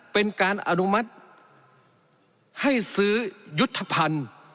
เป็นการอนุมัติให้ซื้อยุทธภัณฑ์